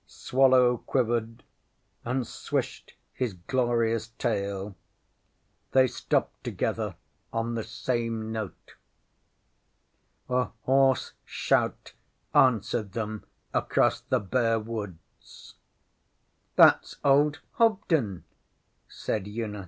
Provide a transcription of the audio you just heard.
Swallow quivered and swished his glorious tail. They stopped together on the same note. A hoarse shout answered them across the bare woods. ŌĆśThatŌĆÖs old Hobden, ŌĆÖ said Una.